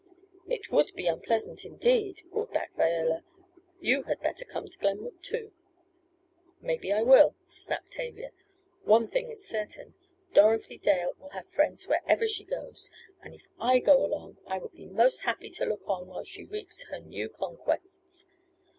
"It would be unpleasant indeed!" called back Viola. "You had better come to Glenwood too!" "Maybe I will," snapped Tavia. "One thing is certain. Dorothy Dale will have friends whereever she goes and if I could go, I would be most happy to look on while she reaps her new conquests.